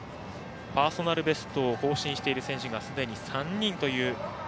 パーソナルベストを更新している選手がすでに３人という。